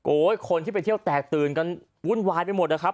คนที่ไปเที่ยวแตกตื่นกันวุ่นวายไปหมดนะครับ